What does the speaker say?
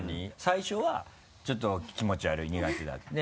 最初はちょっと気持ち悪い苦手だった。